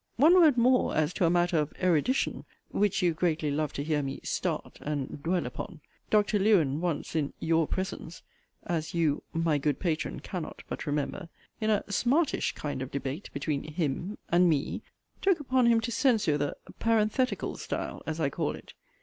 One word more as to a matter of 'erudition,' which you greatly love to hear me 'start' and 'dwell upon.' Dr. Lewen once, in 'your' presence, (as you, 'my good patron,' cannot but remember,) in a 'smartish' kind of debate between 'him' and 'me,' took upon him to censure the 'paranthetical' style, as I call it.